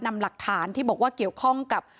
นำหลักฐานที่บอกว่าเกี่ยวข้องกับ